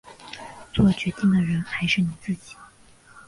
作决定的人还是你自己